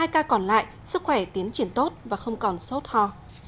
hai ca còn lại sức khỏe tiến triển tốt và không còn sốt hò